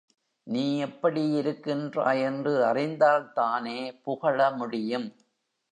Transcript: நீ எப்படி இருக்கின்றாய் என்று அறிந்தால்தானே புகழ முடியும்?